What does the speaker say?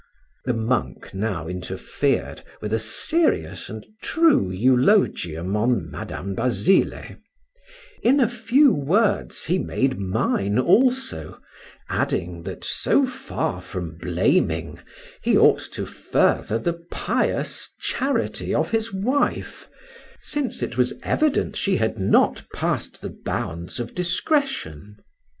The monk now interfered, with a serious and true eulogium on Madam Basile: in a few words he made mine also, adding, that so far from blaming, he ought to further the pious charity of his wife, since it was evident she had not passed the bounds of discretion.